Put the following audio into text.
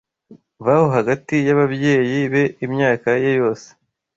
Baho hagati y'ababyeyi be imyaka ye yose!